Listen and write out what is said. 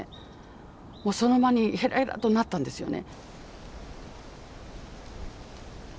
もうその場にへらへらっとなったんですよね。